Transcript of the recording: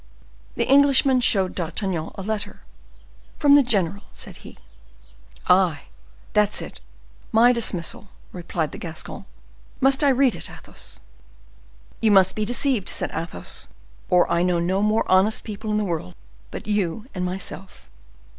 The Englishman showed D'Artagnan a letter: "From the general," said he. "Aye! that's it, my dismissal!" replied the Gascon. "Must I read it, Athos?" "You must be deceived," said Athos, "or I know no more honest people in the world but you and myself."